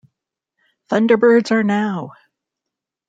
Thunderbirds Are Now!